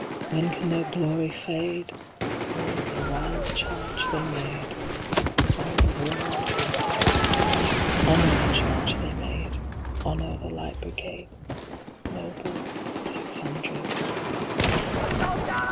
When can their glory fade?O the wild charge they made! All the world wonder'd. Honor the charge they made! Honor the Light Brigade, Noble six hundred!